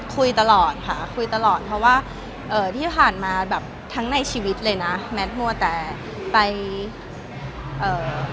คุยตลอดค่ะคุยตลอดเพราะว่าเอ่อที่ผ่านมาแบบทั้งในชีวิตเลยนะแมทมัวแต่ไปเอ่อ